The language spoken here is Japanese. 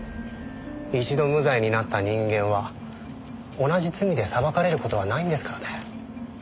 一度無罪になった人間は同じ罪で裁かれる事はないんですからね。